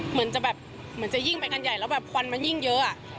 เหมือนจะแบบเหมือนจะยิ่งไปกันใหญ่แล้วแบบควันมันยิ่งเยอะอะ